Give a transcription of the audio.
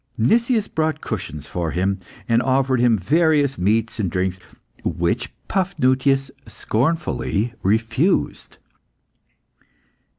Nicias brought cushions for him, and offered him various meats and drinks, which Paphnutius scornfully refused.